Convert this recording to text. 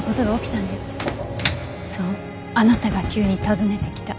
そうあなたが急に訪ねてきた。